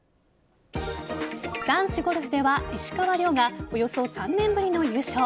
男子ゴルフでは石川遼がおよそ３年ぶりの優勝。